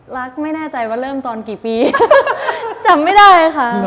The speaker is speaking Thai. รักไม่น่าใจว่าเริ่มตอนกี่ปี